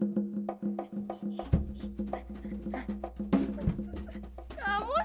emang ini istirahat dulu